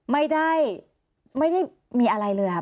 ไม่ได้ไม่ได้มีอะไรเลยครับ